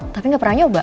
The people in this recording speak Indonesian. tapi gak pernah nyoba